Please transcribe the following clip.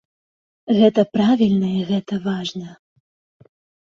Гэта правільна і гэта важна.